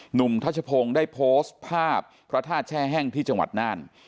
หนุ่มทัชโพงได้โพสต์ภาพพระทาชแช่แห้งที่จังหวัดน่าน